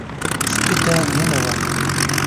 سپي ته مینه ورکړئ.